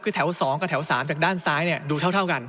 คือแถว๒กับแถว๓จากด้านซ้ายดูเท่ากัน